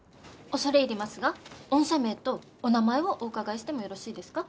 恐れ入りますが御社名とお名前をお伺いしてもよろしいですか？